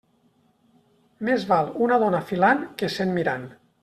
Més val una dona filant que cent mirant.